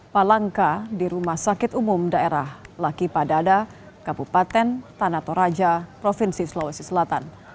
palangka di rumah sakit umum daerah laki padadada kabupaten tanah toraja provinsi sulawesi selatan